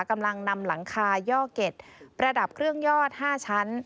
กำลังนำหลังคาย่อเก็ตประดับเครื่องยอด๕ชั้น